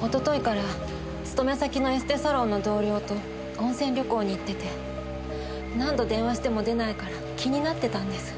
一昨日から勤め先のエステサロンの同僚と温泉旅行に行ってて何度電話しても出ないから気になってたんです。